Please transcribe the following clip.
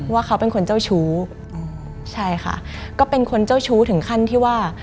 ว่าเขาเป็นคนเจ้าชู้ใช่ค่ะก็เป็นคนเจ้าชู้ถึงขั้นที่ว่า